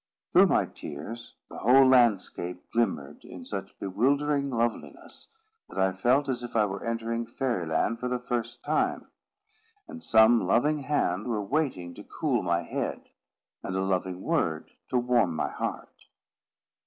Through my tears, the whole landscape glimmered in such bewildering loveliness, that I felt as if I were entering Fairy Land for the first time, and some loving hand were waiting to cool my head, and a loving word to warm my heart.